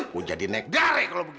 gue jadi negare kalau begini